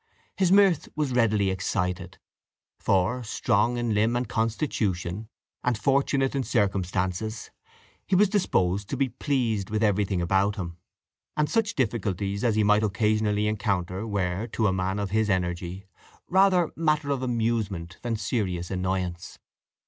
His mirth was readily excited; for, strong in limb and constitution, and fortunate in circumstances, he was disposed to be pleased with everything about him; and such difficulties as he might occasionally encounter were, to a man of his energy, rather matter of amusement than serious annoyance.